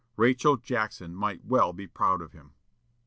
Rachel Jackson might well be proud of him.